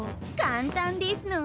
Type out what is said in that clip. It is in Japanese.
簡単ですの。